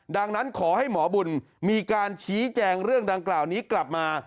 ดังนั้นขอให้หมอบุญมีการชี้แจงเรื่องดังกล่าวนี้กลับมา